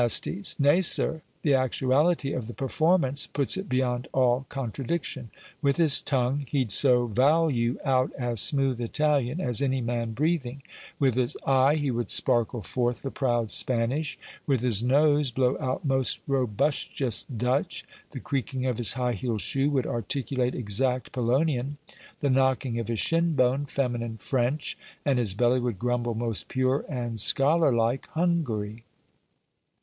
_ Nay, sir, the actuality of the performance puts it beyond all contradiction. With his tongue he'd so vowel you out as smooth Italian as any man breathing; with his eye he would sparkle forth the proud Spanish; with his nose blow out most robustious Dutch; the creaking of his high heeled shoe would articulate exact Polonian; the knocking of his shinbone feminine French; and his belly would grumble most pure and scholar like Hungary."